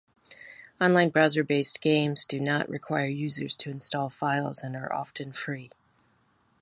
Online browser-based games do not require users to install files and are often free.